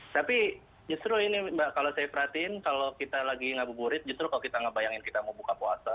tapi justru ini mbak kalau saya perhatiin kalau kita lagi ngabuburit justru kalau kita ngebayangin kita mau buka puasa